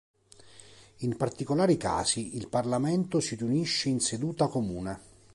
In particolari casi il Parlamento si riunisce in seduta comune.